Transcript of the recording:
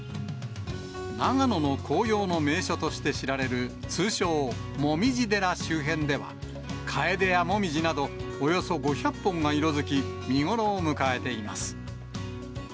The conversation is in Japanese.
長野の紅葉の名所として知られる通称モミジ寺周辺では、カエデやモミジなど、およそ５００本が色づき、見頃を迎えています。